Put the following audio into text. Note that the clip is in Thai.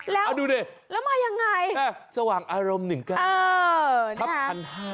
แล้วดูดิแล้วมายังไงสว่างอารมณ์หนึ่งก็เออนะคะทัพทันห้าง